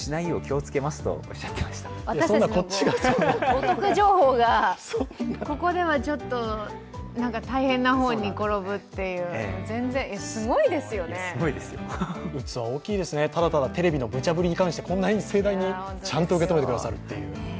お得情報がここではちょっと大変な方に転ぶっていう器、大きいですよね、ただただテレビのむちゃぶりに対してこんなに盛大にちゃんと受け止めてくださるという。